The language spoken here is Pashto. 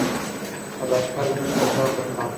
د لښکر مشر غږ وکړ.